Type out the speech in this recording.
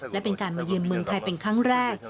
และเป็นการมายืมเมืองไทยเป็นครั้งแรก